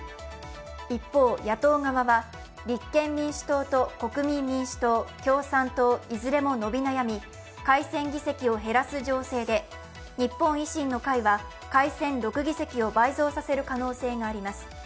一方、野党側は立憲民主党と国民民主党、共産党、いずれも伸び悩み、改選議席を減らす情勢で日本維新の会は改選６議席を倍増させる可能性があります。